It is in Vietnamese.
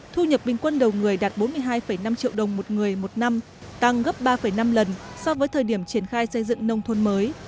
thu nhập bình quân đầu người đạt bốn mươi hai năm triệu đồng một người một năm tăng gấp ba năm lần so với thời điểm triển khai xây dựng nông thôn mới